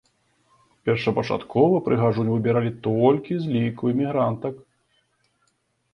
Першапачаткова прыгажунь выбіралі толькі з ліку эмігрантак.